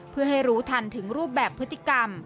เพื่อให้รู้ทันถึงรูปแบบพฤติกรรม